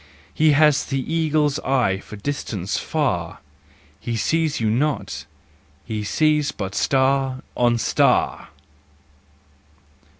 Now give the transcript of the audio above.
He has the eagle's eye for distance far, He sees you not, he sees but star on star!